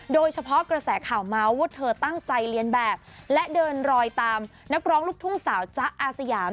โดยเฉพาะกระแสข่าวเมาส์ว่าเธอตั้งใจเรียนแบบและเดินรอยตามนักร้องลูกทุ่งสาวจ๊ะอาสยาม